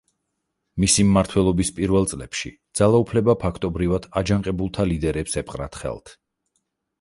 მისი მმართველობის პირველ წლებში ძალაუფლება ფაქტობრივად აჯანყებულთა ლიდერებს ეპყრათ ხელთ.